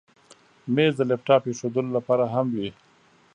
مېز د لپټاپ ایښودلو لپاره هم وي.